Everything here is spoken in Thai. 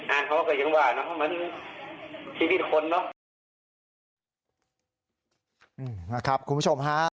เขาก็ยังว่าเนอะมันชีวิตคนเนอะอืมนะครับคุณผู้ชมฮะ